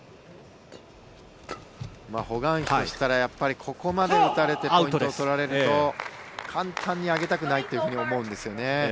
ホ・グァンヒとしてはここまで打たれてポイントを取られると簡単に上げたくないって思うんですよね。